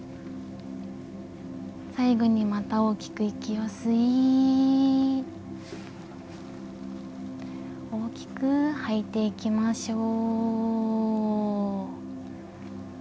最後にまた大きく息を吸い大きく吐いていきましょう。